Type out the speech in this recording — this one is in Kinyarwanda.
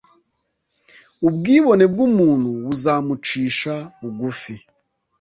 Ubwibone bw umuntu buzamucisha bugufi